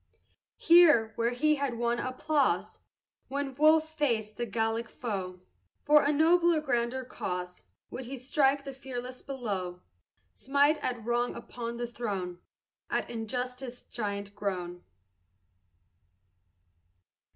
Here, where he had won applause, When Wolfe faced the Gallic foe, For a nobler, grander cause Would he strike the fearless blow, Smite at Wrong upon the throne, At Injustice giant grown.